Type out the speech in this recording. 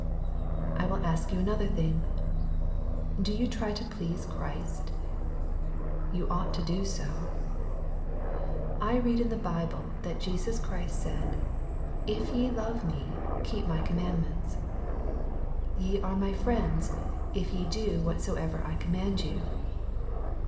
I will ask you another thing, — Do you try to please Christ ? You ought to do so. I read in the Bible that Jesus Christ said, " If ye love Me, keep my commandments." —" Ye are my friends, if ye do whatsoever I command you."